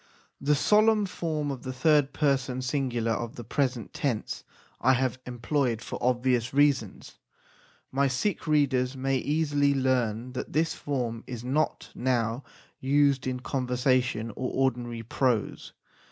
The solemn form of the third person singular of the present tense I have employed for obvious reasons. My Sikh readers may easily learn that this form is not now used in conversation or ordinary prose.